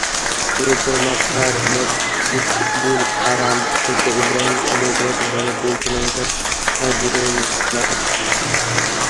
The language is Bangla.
পবিত্র মক্কার মসজিদুল হারাম থেকে ইব্রাহিম খলিল রোড ধরে দুই কিলোমিটার দূরেই নাক্কাসা।